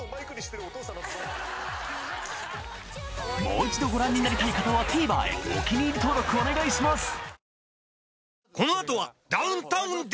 もう一度ご覧になりたい方はＴＶｅｒへお気に入り登録お願いします！